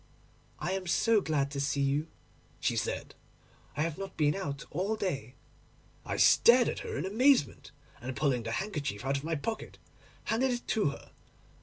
"I am so glad to see you," she said; "I have not been out all day." I stared at her in amazement, and pulling the handkerchief out of my pocket, handed it to her.